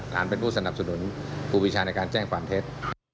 หลานเป็นผู้สนับสนุนภูมิวิชาในการแจ้งความเท็จ